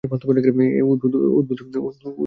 অদ্ভুত কিছু একটার!